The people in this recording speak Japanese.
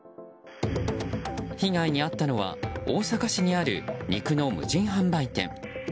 被害に遭ったのは大阪市にある肉の無人販売店。